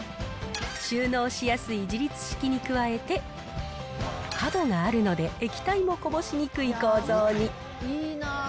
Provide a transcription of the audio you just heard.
収納しやすい自立式に加えて、角があるので液体もこぼしにくい構造に。